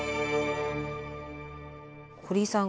堀井さん